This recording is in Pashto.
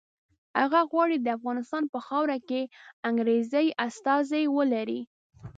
هغه غواړي د افغانستان په خاوره کې انګریزي استازي ولري.